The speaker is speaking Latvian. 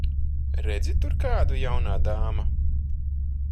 Redzi tur kādu, jaunā dāma?